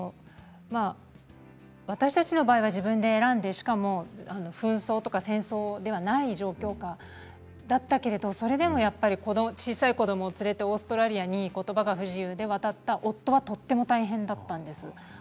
私たちの場合は自分で選んでしかも戦争ではない状況だったけれどそれでも小さい子どもを連れてオーストラリアにことばが不自由で渡った夫は大変だったんです。